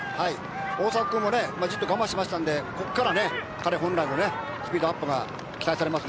大迫くんも我慢したんでここから彼本来のスピードアップが期待されます。